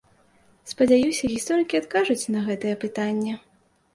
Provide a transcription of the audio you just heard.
Спадзяюся, гісторыкі адкажуць і на гэтае пытанне.